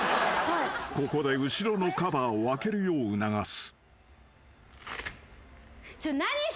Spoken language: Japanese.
［ここで後ろのカバーを開けるよう促す］